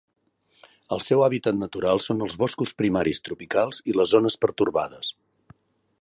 El seu hàbitat natural són els boscos primaris tropicals i les zones pertorbades.